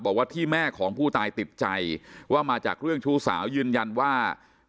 บอกว่าที่แม่ของผู้ตายติดใจว่ามาจากเรื่องชู้สาวยืนยันว่า